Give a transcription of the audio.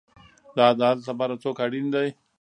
د عدالت لپاره څوک اړین دی؟